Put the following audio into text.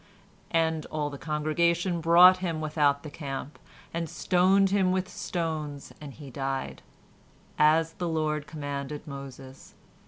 "And all the congregation brought him without the camp, and stoned him with stones, and he died; as the Lord commanded Moses.